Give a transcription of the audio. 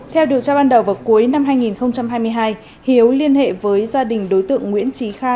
theo điều tra ban đầu vào cuối năm hai nghìn hai mươi hai hiếu liên hệ với gia đình đối tượng nguyễn trí kha